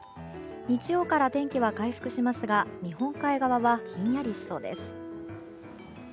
日曜から天気は回復しますが日本海側はひんやりしそうです。